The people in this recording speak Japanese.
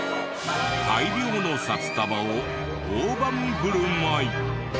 大量の札束を大盤振る舞い。